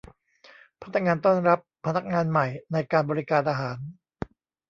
พนักงานต้อนรับพนักงานใหม่ในการบริการอาหาร